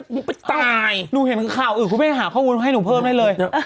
มึงไปตายมึงเห็นคือข่าวอื่นคุณไปหาข้อมูลให้หนูเพิ่มได้เลย